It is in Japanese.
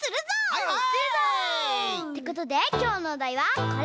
はいはい！ってことできょうのおだいはこれ！